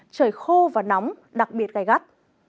trời khô và nóng đặc biệt gai gắt